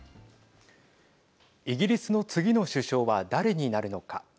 イギリスの次の首相は誰になるのか。